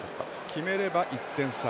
決めれば１点差。